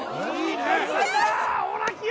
オラキオ！